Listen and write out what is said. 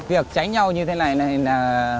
việc tránh nhau như thế này là